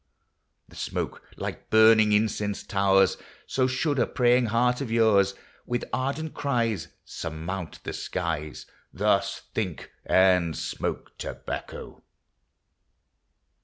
LIFE. 251 The smoke like burning incense towers ; So should a praying heart of yours With ardent cries Surmount the skies : Thus think, and smoke tobacco.